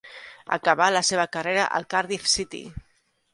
Acabà la seva carrera al Cardiff City.